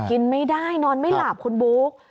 กินไม่ได้นอนไม่หลับคุณบุ๊ค